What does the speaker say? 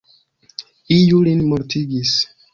Iu lin mortigis!